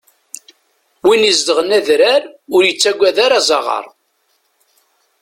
Win izedɣen adrar ur yettagad ara azaɣar.